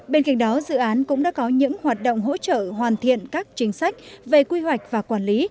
bên cạnh đó dự án cũng đã có những hoạt động hỗ trợ hoàn thiện các chính sách về quy hoạch và quản lý